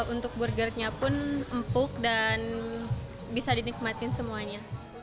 untuk burgernya pun empuk dan bisa dinikmatin semuanya